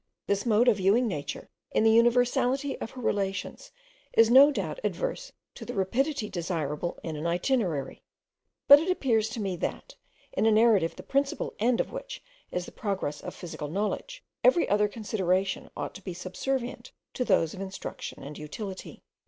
This mode of viewing Nature in the universality of her relations is no doubt adverse to the rapidity desirable in an itinerary; but it appears to me that, in a narrative, the principal end of which is the progress of physical knowledge, every other consideration ought to be subservient to those of instruction and utility.